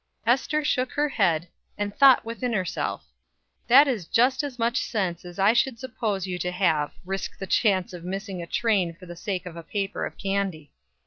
Ester shook her head, and thought within herself: "That is just as much sense as I should suppose you to have risk the chance of missing a train for the sake of a paper of candy."